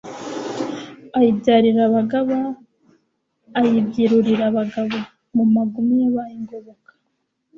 Ayibyarira abagaba ayibyirurira abagabo. Mu magume yabaye Ngoboka,